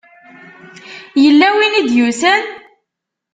Yella win i d-yusan?